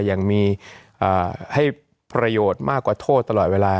ยังมีให้ประโยชน์มากกว่าโทษตลอดเวลา